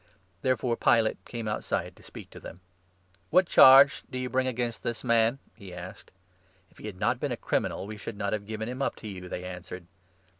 Therefore Pilate came outside to speak to them. 29 "What charge do you bring against this man ?" he asked. " If he had not been a criminal, we should not have given 30 him up to you," they answered.